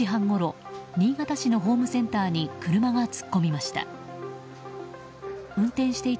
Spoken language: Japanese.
今日午前１０時半ごろ新潟市のホームセンターに車が突っ込みました。